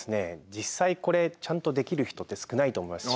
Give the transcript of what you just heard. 実際これちゃんとできる人って少ないと思いますし。